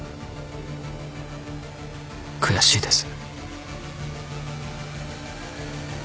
悔しいです。